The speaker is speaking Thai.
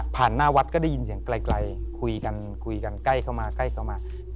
หน้าวัดก็ได้ยินเสียงไกลคุยกันคุยกันใกล้เข้ามาใกล้เข้ามา